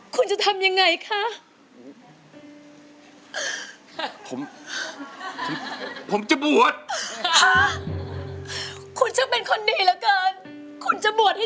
คุณจะบวชให้ฉันเหรอคะ